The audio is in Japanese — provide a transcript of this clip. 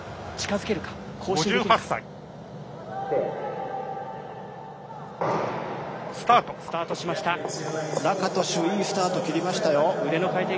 いいスタートを切りましたよ。